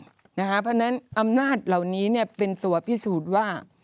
เพราะฉะนั้นอำนาจเหล่านี้เป็นตัวพิสูจน์ว่า